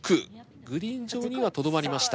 グリーン上にはとどまりました。